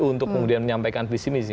untuk kemudian menyampaikan visi misi